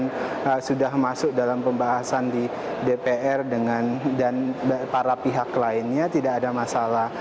kalau itu sudah final kemudian sudah masuk dalam pembahasan di dpr dengan para pihak lainnya tidak ada masalah